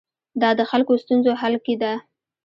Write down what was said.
دا د خلکو ستونزو حل کې ده.